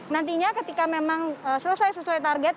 nantinya ketika memang selesai sesuai target